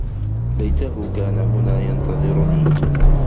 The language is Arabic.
ليته كان هنا ينتظرني.